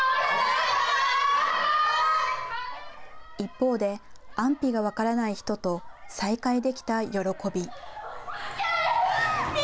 一方で安否が分からない人と再会できた喜び。